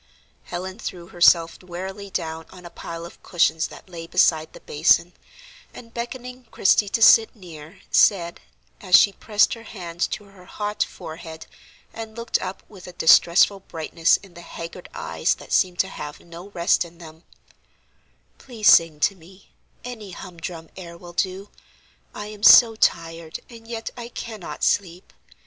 Helen threw herself wearily down on a pile of cushions that lay beside the basin, and beckoning Christie to sit near, said, as she pressed her hands to her hot forehead and looked up with a distressful brightness in the haggard eyes that seemed to have no rest in them: "Please sing to me; any humdrum air will do. I am so tired, and yet I cannot sleep.